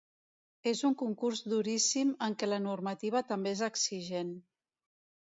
És un concurs duríssim, en què la normativa també és exigent.